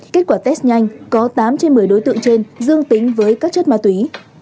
kết quả test nhanh có tám trên một mươi đối tượng trên dương tính với các chất ma túy